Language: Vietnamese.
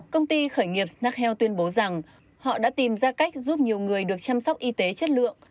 công ty khởi nghiệp snackhealth tuyên bố rằng họ đã tìm ra cách giúp nhiều người được chăm sóc y tế chất lượng